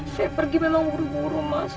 saya pergi memang buru buru mas